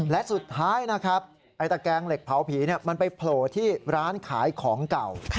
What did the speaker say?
และสุดท้ายนะครับไอ้ตะแกงเหล็กเผาผีมันไปโผล่ที่ร้านขายของเก่า